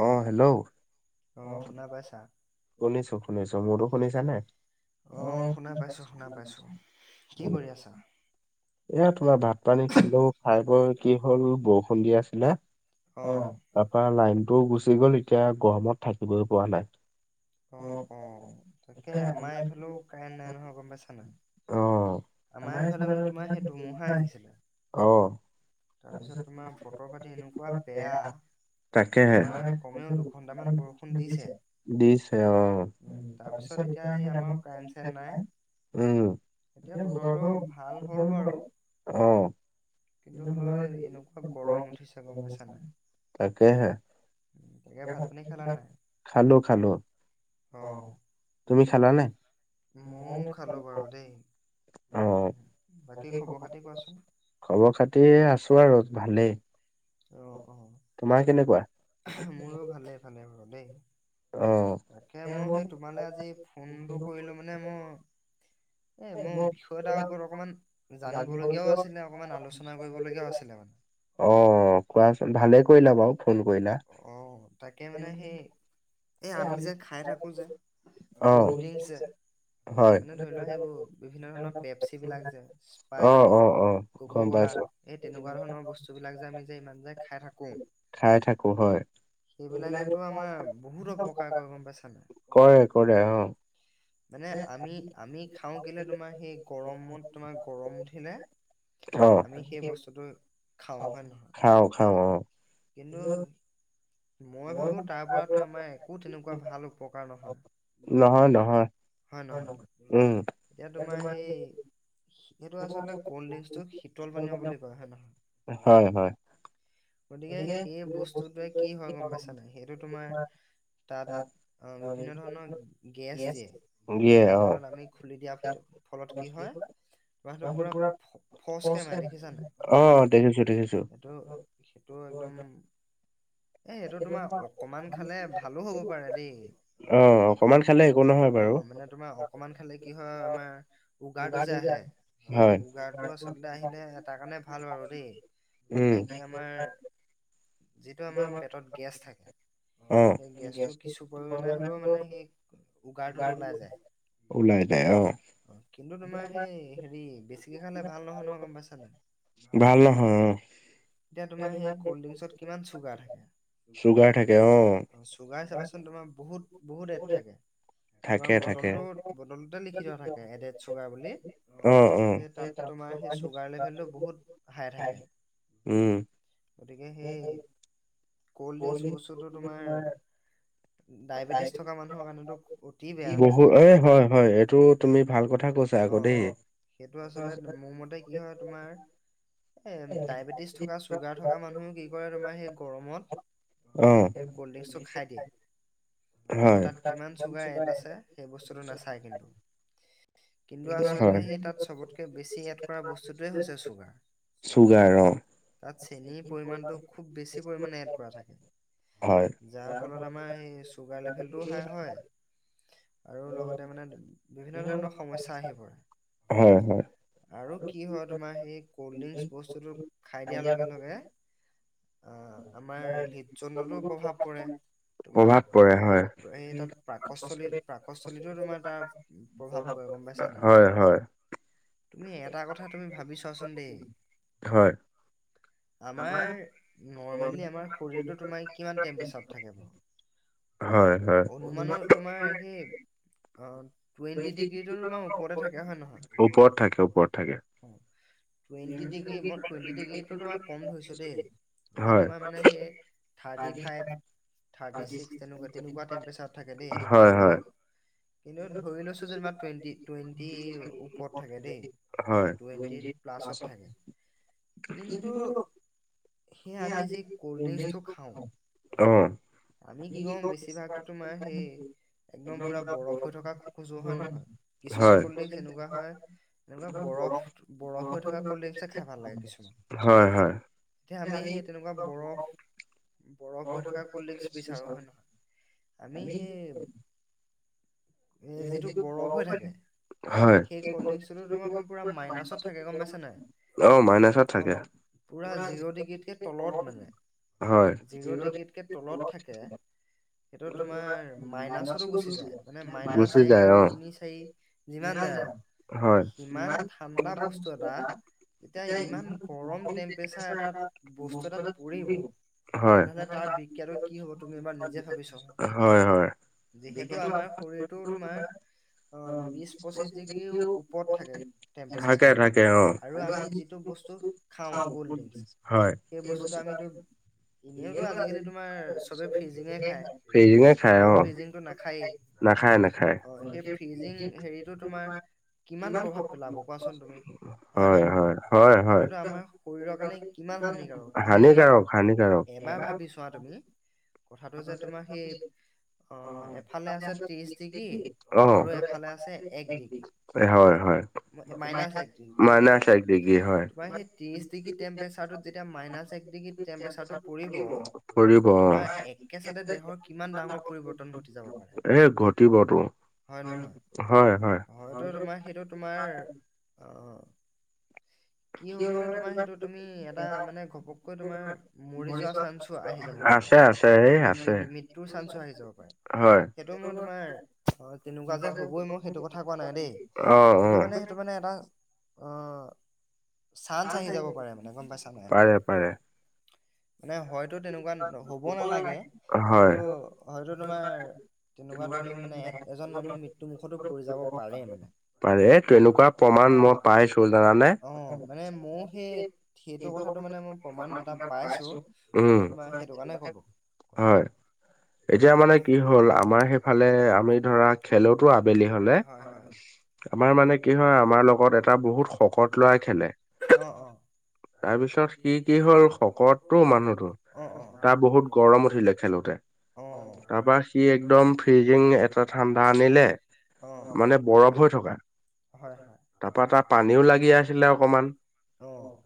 অহ -hello অ শুনা পাইছা? অহ শুনা পাইছোঁ শুনা পাইছোঁ এয়া তোমাৰ ভাত পানী খালোঁ খাই বৈ কি হ'ল বৰষুণ দিয়া আছিলে অ-তাৰ পৰা লাইনটো গুচি গ'ল এতিয়া গৰমত থাকিবই পোৱা নাই অ- অ -তাকে আমাৰ এইফালেও কাৰেন্ট নাই নহয় গম পাইছা নাই অহ - [unintelligible] অহ তাৰ পিছত তাকেহে [unintelligible] [unintelligible] দিছে অহ তাৰ পিছত এতিয়া হে উম! [unintelligible] উম! এতিয়া বতৰটো ভাল কৰিব লাগে অহ [unintelligible] তাকে হে এতিয়া ভাত খালা, খালোঁ খালোঁ অ ময়ো খালোঁ বাৰু দেই বাকী খবৰ-খাতি কোৱাচোন? খবৰ-খাতি আছোঁ আৰু ভালেই। অ -অ- তোমাৰ কেনেকুৱা? মোৰো ভালে ভালে বাৰ দেই তাকে মই সেই তোমালৈ আজি ফোনটো কৰিলোঁ মানে মই এ মোৰ বিষয়টাৰ ওপৰত অকমান জানিবলগীয়াও আছিলে অকমান আলোচনা কৰিবলগীয়াও আছিলে মানে। অ কোৱাচোন ভালেই কৰিলা বাৰু ফোন কৰিলা। এই আমি যে খাই থাকো যে কল্ড ড্ৰিংক যে মানে ধৰি লোৱা সেইবোৰ বিভিন্ন ধৰণৰ পেপচি বিলাক যে স্পাইট কক কলা এই তেনেকুৱা ধৰণৰ বস্তু বিলাক যে আমি যে ইমান যে খাই থাকো একো হয় এইবিলাকেটো আমাৰ উপকাৰ কৰে, কৰে কৰে অহ মানে আমি আমি খাওঁ কেলে তোমাৰ সেই গৰমত তোমাৰ গৰম উঠিলে আহ খাওঁ খাওঁ অহ কিন্তু মই ভাবো তাৰ পৰাতো আমাৰ একো তেনেকুৱা ভাল উপকাৰ নহয় নহয় হয় নহয়। এতিয়া তোমাৰ সেই। এইটো আচলতে কল্ড ড্ৰিংকচটো শীতল পানীয় বুলি কয়। হয় নহয়। গতিকে সেই বস্তুটোৱে কি হয় গম পাইছা নাই, সেইটো তোমাৰ। তাত অ বিভিন্ন ধৰণৰ গেছ দিয়ে। যাৰ ফলত আমি খুলি দিয়া ভিতত। ফলত কি হয়। ধুৱাটো পুৰা ফ ফচ কে মাৰে দেখিছা নাই। এইটো সেইটো একদম। এ এইটো তোমাৰ অকমান খালে ভালো হব পাৰে দেই। অ মানে তোমাৰ অকমান খালে কি হয় আমাৰ উগাৰটো যে আহে। সেই উগাৰটো আচলতে আহিলে এটা কাৰণে ভাল আৰু দেই। মানে কি আমাৰ যিটো আমাৰ পেটত গেছ থাকে। অ সেই গেছটো কিছু পৰিমানে হলেও মানে সি উগাৰটোত ওলাই যায়। ওলাই যাই অ। অ কিন্তু তোমাৰ সেই হেৰি বেছিকে খালে ভাল নহয় নহয় গম পাইছা নাই? ভাল নহয় অ। চুগাৰ থাকে। চুগাৰ চাবাচোন তোমাৰ বহুত বহুত এড থাকে। তোমাৰ বটলটো বটলটোতে লিখি থোৱা থাকে এডেড চুগাৰ বুলি। সেই তাত ত তোমাৰ সেই চুগাৰ লেভেলটো বহুত হাই থাকে। উম। গতিকে সেই কল্ড ড্ৰিংকচ বস্তুটো তোমাৰ। ডায়বেটিছ থকা মানুহৰ কাৰণেতো অতি বেয়া। কৈছো আকৌ দেই। সেইটো আচলতে মু মো মতে কি হয় তোমাৰ এ। পেটিছ থকা চুগাৰ থকা মানুহও কি কৰে তোমাৰ সেই গৰমত। এই কল্ড ড্ৰিংকচটো খাই দিয়ে। কিন্তু তাত কিমান চুগাৰ এড আছে সেই বস্তুটো নাচায় কিন্তু। কিন্তু আচলতে সেই তাত সবতকে বেছি এড কৰা বস্তুটোৱে হৈছে চুগাৰ। তাত চেনীৰ পৰিমাণটো খুব বেছি পৰিমানে এড কৰা থাকে। যাৰ ফলত আমাৰ সেই চুগাৰ লেভেলটোও হাই হয়। আৰু লগতে মানে বিভিন্ন ধৰণৰ সমস্যা আহি পৰে। আৰু কি হয় তোমাৰ সেই কল্ ড্ৰিংকচ বস্তুটো। খাই দিয়াৰ লগে লগে। [unintelligible] প্ৰভাৱ পৰে হয়। [unintelligible] পাকষ্টলিতও তোমাৰ তাৰ প্ৰভাৱ পৰে গম পাইছা নাই? তুমি এটা কথা তুমি ভাবি চোৱাচোন দেই হয়। আমাৰ নৰ্মেলি আমাৰ শৰীৰটো তোমাৰ কিমান টেম্পৰেচাৰত থাকে বাৰু? অনুমানৰ তোমাৰ সেই অ, [inaudible] ওপৰত থাকে, ওপৰত থাকে। টুৱেণ্টি ডিগ্ৰী মত টুৱেণ্টি ডিগ্ৰীটো ত তোমাৰ কম ধৰিছো দেই, এনেই তোমাৰ মানে সেই থাৰ্টি ফাইভ [inaudible] হয়-হয়। কিন্তু ধৰি লৈছো যে তোমাৰ টুৱেণ্টি-টুৱেণ্টি ওপৰত থাকে দেই। টুৱেণ্টি প্লাছত থাকে। [inaudible] অ'। আমি কি কম বেছিভাগতো তোমাৰ সেই একদম পুৰা বৰফ হৈ থকা আছোঁ হয় নহয়? কিছুমান কল্ড ড্ৰিংকচ এনেকুৱা হয় এনেকুৱা বৰফ-বৰফ হৈ থকা কল্ড ড্ৰিংকছ হে খাই ভাল লাগে। কিছুমান এতিয়া আমি সেই তেনেকুৱা বৰফ বৰফ হৈ থকা কল্ড ড্ৰিংকছ বিচাৰো হয় নহয়? আমি সেই যিটো বৰফ হয় থাকে হয়। অ', মাইনাছত থাকে। [inaudible] হয়। [unintelligible] মাইনাছ'ৰ লৈ গৈছিলে। মাইনাচ এক দুই তিনি চাৰি যিমান যায় আৰু, সিমান ঠাণ্ডা বস্তু এটা [inaudible] তেতিয়া ইমান কম কম তেম্প্ৰেছুৰে এটা বস্তু এটা [unintelligible] হয়, হয়-হয়। যিহেতু আমাৰ শৰীৰটো তোমাৰ অ, বিশ, পঁচিশ ডিগ্ৰীও ওপৰত থাকে টেম্পৰেচাৰটো। আৰু আমি যিটো বস্তু হয়। এনেওতো আজিকালি তোমাৰ চবে ফ্ৰিজিঙে খায়, নন ফ্ৰিজিংটো নাখায়েই। নাখায়-নাখায়। হয়-হয়-হয়-হয়। আমাৰ শৰীৰৰ কাৰণে কিমান হানিকাৰক তুমি এবাৰ এবাৰ ভাবি চোৱা তুমি কথাটো যে তোমাৰ সেই অ', হয়-হয়। [unintelligible] মাইনাছ একধৃঘি হয়-হয়। সেই ত্ৰিশ ডিগ্ৰী টেম্পচাৰত যেতিয়া মাইনাচ এক ডিগ্ৰী টেম্পচাৰটো পৰিব। পৰিব অ'। একেচাদে দেহৰ কিমান ডাঙৰ পৰিৱৰ্তন ঘটি যাব পাৰে। হয়-হয়। কি হব মানে তোমাৰ সেইটো তুমি এটা মানে ঘপককৈ তোমাৰ মৰি যোৱা চান্সো আহি যাব পাৰে। মানে মৃত্যয়ুৰ চান্সও আহি যাব পাৰে। সেইটো মই তোমাৰ অ, তেনেকুৱা যে হবই মই সেইটো কথা কোৱা নাই দেই। কিন্তু মানে এইটো মানে এটা অ, পাৰে-পাৰে। হয়। পাৰে, তেনেকুৱা প্ৰমা মই পাইছো জামানে। মানে ময়ো সেই সেইটো কথাটো মানে মই প্ৰমাণ এটা পাইছোঁ। মই তোমাৰ সেইটো কাৰণে কলো কথাটো। এতিয়া মানে কি হ'ল আমাৰ সেইফালে আমি ধৰা খেলতো আবেলি হলে। আমাৰ মানে কি হয় আমাৰ লগত এটা বহুত শকত লৰাই খেলে। অ। ত মানুহটো তাৰ বহুত গৰম উঠিলে খেলোতে। তাৰপা সি একদম ফ্ৰিজিং এটা ঠাণ্ডা আনিলে। মানে বৰফ হৈ থকা তাৰপা তাৰ পানীও লাগি আছিলে অকমান।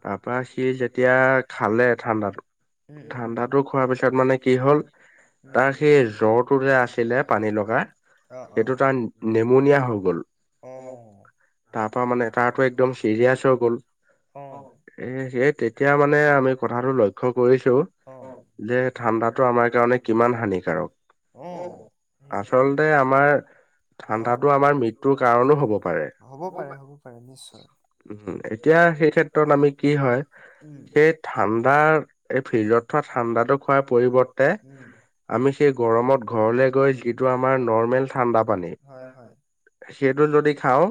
তাৰপা সি যেতিয়া খালে ঠাণ্ডাতো। ঠাণ্ডাতো খোৱাৰ পিছত মানে কি হ'ল। তাৰ সেই জ্বৰটো যে আছিলে পানী লগা। অ অ। অ তাৰ পৰা মানে এ তাৰাতো একদম চিৰিয়াচ হৈ গ'ল। এ সেই তেতিয়া মানে আমি কথাটো লক্ষ্য কৰিছো। যে ঠাণ্ডাতটো আমাৰ কাৰণে কিমান হানিকাৰক। আচলতে আমাৰ। অ হ'ব পাৰে হ'ব পাৰে নিশ্চয়। ওঁহুম এতিয়া। ত আমি কি হয় সেই ঠাণ্ডাৰ। এই ফ্ৰিজত থোৱা ঠাণ্ডাটো খোৱাৰ পৰিৱৰ্তে, আমি সেই গৰমত ঘৰলে গৈ যিটো। আমাৰ নৰ্মেল ঠাণ্ডা পানী। সেইটো যদি খাওঁ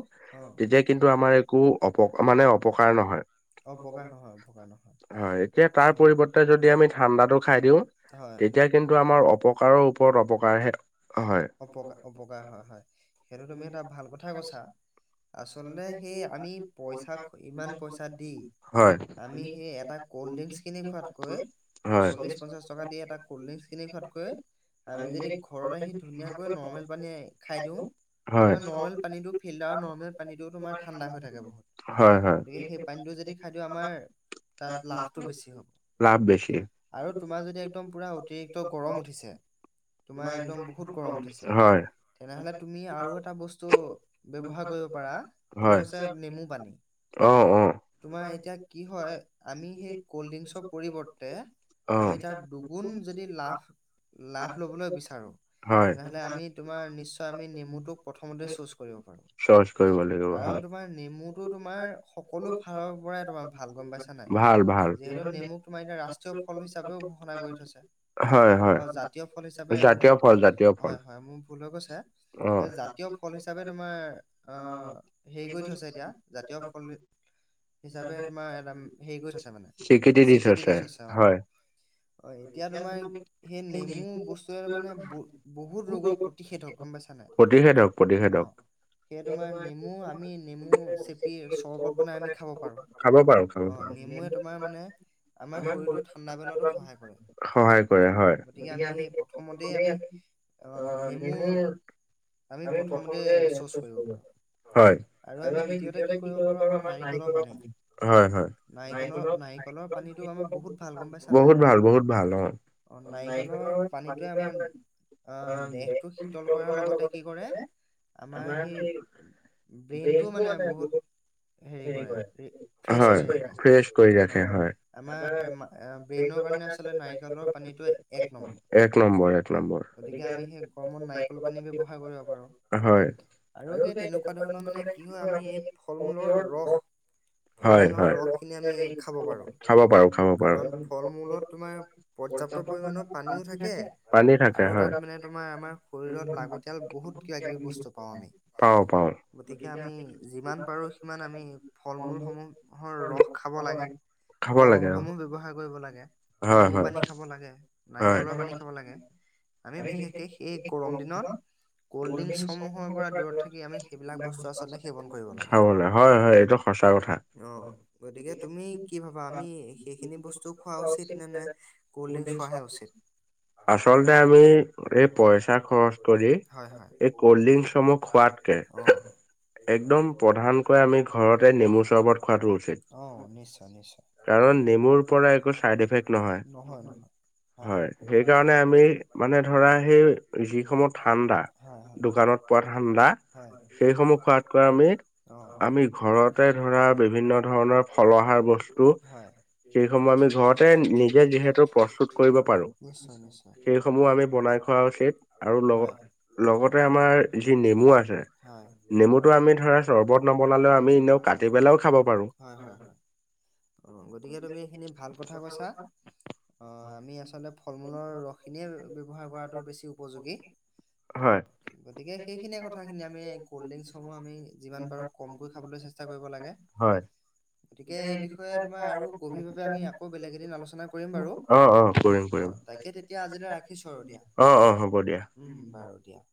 তেতিয়া কিন্তু আমাৰ একো অপ মানে অপ। অপকাৰ নহয় হয়। পৰিৱৰ্তে যদি আমি ঠাণ্ডাটো খাই দিওঁ, তেতিয়া কিন্তু আমাৰ অপকাৰৰ ওপৰত অপকাৰ হে। হয়। অপকাৰ অপকাৰ হয় হয়, সেইটো তুমি এটা ভাল কথাই কৈছা। আচলতে সেই আমি পইচা। হয়। আমি এটা কলদৃং। লৈ চল্লিশ পঞ্চাশ টকা দি এটা কোল্ড ড্রিঙ্কস খিনি খোৱাতকৈ। আমি যদি ঘৰত আহি ধুনীয়াকৈ নৰ্মেল পানী খাই দিওঁ। এইাৰ নৰ্মেল পানীটো ফিল্টাৰ নৰ্মেল পানীটোও তোমাৰ ঠাণ্ডা হৈ থাকে বহুত। গতিকে সেই পানীটো যদি খাই দিওঁ আমাৰ তাত লাভটো বেছি হ'ব। আৰু তোমাৰ যদি একদম পুৰা অতিৰিক্ত গৰম উঠিছে। তোমাৰ একদম খুব গৰম নিকী? হয়। তেনেহলে তুমি আৰু এটা বস্তু ব্যৱহাৰ কৰিব পাৰা সেইটো হৈছে নেমু পানী। তোমাৰ এতিয়া কি হয় আমি সেই কল্ড্ৰিং। পৰিৱৰ্তে আমি তাত দুগুণ যদি লাভ, লাভ লবলৈ বিচাৰো। তেনেহলে আমি তোমাৰ নিশ্চয় আমি নেমুটোক প্ৰথমতে চুজ কৰিব পাৰো। খচ কৰিব লাগিব হৈ। তোমাৰ সকলো ফালৰ পৰাই তোমাৰ ভাল গম পাইছা নাই? হয়। হয় হয়, জাতীয় ফল জাতীয়। হয় হয় মোৰ ভুল হৈ গৈছে। এ জাতীয় ফল হিচাপে, তোমাৰ অ হেৰি কৰি থৈছে এতিয়া। [unintelligible] স্বীকৃতি দিছ থৈছে, হয়। [unintelligible] প্ৰতিষেধক প্ৰতিষেধক। সেই তোমাৰ নেমু আমি, নেমু চেপি। চৰ্বত বনাই আমি খাব পাৰো, অ নেমুেয়ে তোমাৰ মানে আমাৰ শৰীৰটো ঠাণ্ডা বনোৱাতো সহায় কৰে। সহায় কৰে হয়। গতিকে আমি [unintelligible] আমি প্ৰথমতে, [unintelligible] হয়। আৰু আমি তেতিয়া হলে কি কৰিব পাৰো আমাৰ নাৰিকলৰ [unintelligible] হয় হয়, নাৰিকলৰ নাৰিকলৰ পানীটো আমাৰ বহুত ভাল গম পাইছা নাই? অ' নাৰিকলৰ পানীটোৱে আমাৰ অ' দেহটো শীতল কৰাৰ লগতে কি কৰে আমাৰ সেই ব্ৰেইনটোও মানে তেতিয়া বহুত হেৰি কৰে, হয় ফ্ৰেছ কৰি ৰা সেইয়া হয়। আমাৰ ব্ৰেইনৰ [unintelligible] হিচাপে নাৰিকলৰ পানীটো এক নম্বৰ, এক নম্বৰ। গতিকে আমি সেই গৰমত নাৰিকল পানী ব্যৱহাৰ কৰিব পাৰোঁ। হয়। আৰু সেই [unintelligible] ফল মূলৰ ৰস, ফল মূলৰ ৰস খিনি আমি খা খাব পাৰোঁ, কাৰণ ফল মূলত তোমাৰ পৰ্যাপ্ত পৰিমাণৰ পানীও থাকে আৰু তাত মানে তোমাৰ আমাৰ শৰীৰত লাগতিয়াল বহুত কিবা কিবি বস্তু পাওঁ আমি। পাওঁ পাওঁ। গতিকে আমি যিমান পাৰো সিমান আমি ফল মূলসমূহৰ ৰস খাব লাগে। ফল মূলসমূহ ব্যৱহাৰ কৰিব লাগে, নেমু পানী খাব লাগে, নাৰিকলৰ পানী খাব লাগে। আমি বিশেষকে সেই গৰম দিনত কল্ড্ৰিংকছসমূহৰ পৰা দূৰত থাকি আমি সেইবিলাক বস্তু আচলতে খাবলৈ হয় হয় এইটো সচা কথা। [unintelligible] আচলতে আমি এই পইচা খৰচ কৰি এই কল্ড ড্ৰিংকছসমূহ খোৱাত কে একদম প্ৰধানকৈ আমি ঘৰতে নেমু চৰবত খোৱাটো উচিত। কাৰণ নেমুৰ পৰা একো চাইড এফেক্ট নহয়। হয় সেইকাৰণে আমি মানে ধৰা সেই যিসমূহ ঠাণ্ডা দোকানত পোৱা ঠাণ্ডা সেইসমূহ খোৱা [unintelligible] আমি, আমি ঘৰতে ধৰা বিভিন্ন ধৰণৰ ফলহাৰ বচ্ তু সেই সমূহ আমি ঘৰতে নিজে যিহেতু প্ৰস্তুত কৰিব পাৰো সেই সমূহ আমি বনাই খোৱা উচিত আৰু লগ - লগতে আমাৰ যি নেমু আছে হয়। [unintelligible] অ' গতিকে তুমি এইখিনি ভাল কথা কৈছা। অ আমি আচলতে ফল মূলৰ ৰসখিনিয়ে ব্যৱহাৰ কৰাটো বেছি উপযোগী। হয়। [unintelligible] আমি যিমান পাৰো কমকৈ খাবলৈ চেষ্টা কৰিব লাগে। গতিকে এই তোমাৰ আৰু গভীৰভাৱে আমি আকৌ বেলেগ এদিন আলোচনা কৰিম বাৰু। অ' তাকে তেতিয়া আজিলৈ ৰাখিছো আৰু দিয়া। উম বাৰু দিয়া।